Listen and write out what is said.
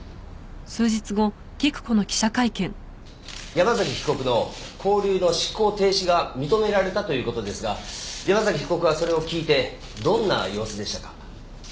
山崎被告の勾留の執行停止が認められたという事ですが山崎被告はそれを聞いてどんな様子でしたか？